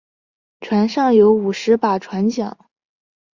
船上有五十把船浆。